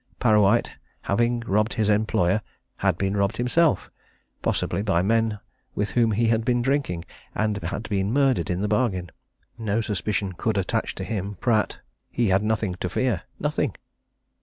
Parrawhite, having robbed his employer, had been robbed himself, possibly by men with whom he had been drinking, and had been murdered in the bargain. No suspicion could attach to him, Pratt he had nothing to fear nothing!